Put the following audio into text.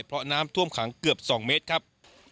เพราะน้ำท่วมขังเกือบ๒เมตรครับ